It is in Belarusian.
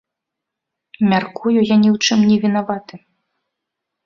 Мяркую, я ні ў чым не вінаваты.